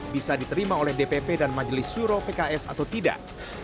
bisa diterima oleh dpp dan majelis syuro pks atau tidak